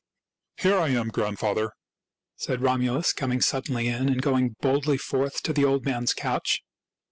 " Here I am, grandfather," said Romulus, com ing suddenly in, and going boldly forward to the old man's couch.